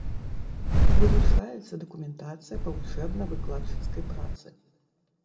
Вывучаецца дакументацыя па вучэбна-выкладчыцкай працы.